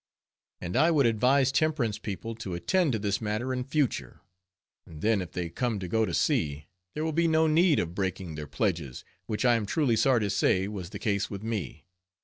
And I would advise temperance people to attend to this matter in future; and then if they come to go to sea, there will be no need of breaking their pledges, which I am truly sorry to say was the case with me.